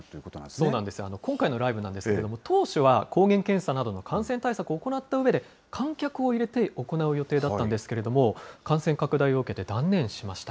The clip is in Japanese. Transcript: そうなんですよ、今回のライブなんですけれども、当初は抗原検査などの感染対策行ったうえで、観客を入れて行う予定だったんですけれども、感染拡大を受けて断念しました。